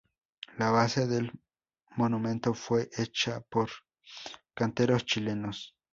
La base del monumento fue hecha por canteros chilenos.